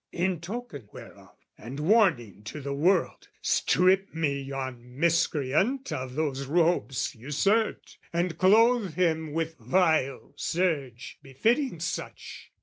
"'In token whereof and warning to the world, "'Strip me yon miscreant of those robes usurped, "'And clothe him with vile serge befitting such!